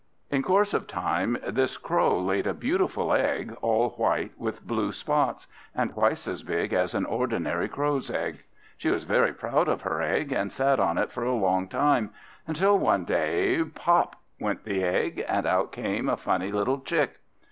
In course of time this Crow laid a beautiful egg, all white with blue spots, and twice as big as an ordinary crow's egg. She was very proud of her egg, and sat on it for a longtime, until one day, pop! went the egg, and out came a funny little chick.